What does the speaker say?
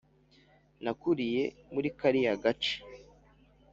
nakuriye muri kariya gace.